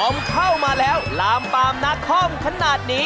ผมเข้ามาแล้วลามปามนาคอมขนาดนี้